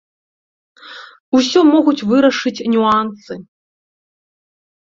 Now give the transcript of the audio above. Усё могуць вырашыць нюансы.